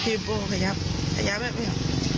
พี่โบ้ขยับขยับแบบนี้